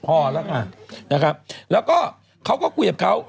พอแล้วค่ะแล้วก็เขาก็เกวียบเขา